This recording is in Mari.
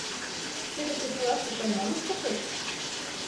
Тиде кечылаште тый мом ыштышыч?